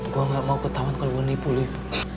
gue gak mau ke taman kalau lu nipu liv